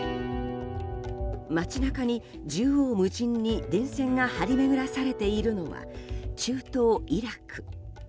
街中に縦横無尽に電線が張り巡らされているのは中東イラク。